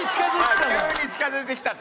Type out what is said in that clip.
急に近付いてきたんだ？